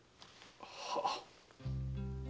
はっ。